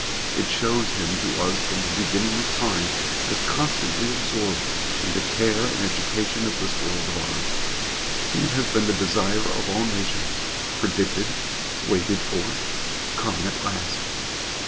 It shows him to us from the beginning of time as constantly absorbed in the care and education of this world of ours. He has been the Desire of all nations predicted, waited for, come at last!